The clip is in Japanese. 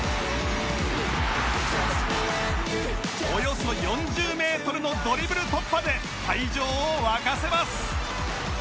およそ４０メートルのドリブル突破で会場を沸かせます！